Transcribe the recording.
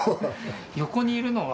横にいるのは？